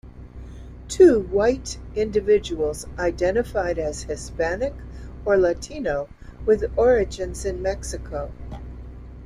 Two white individuals identified as Hispanic or Latino, with origins in Mexico.